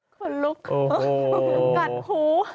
คนลุกกัดหู